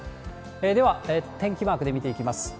では、天気マークで見ていきます。